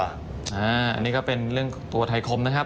อันนี้ก็เป็นเรื่องตัวไทยคมนะครับ